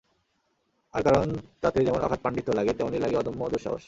তার কারণ, তাতে যেমন অগাধ পাণ্ডিত্য লাগে, তেমনই লাগে অদম্য দুঃসাহস।